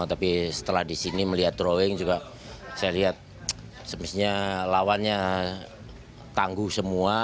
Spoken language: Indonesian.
tapi setelah di sini melihat drawing juga saya lihat semestinya lawannya tangguh semua